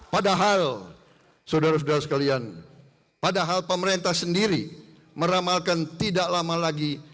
padahal saudara saudara sekalian padahal pemerintah sendiri meramalkan tidak lama lagi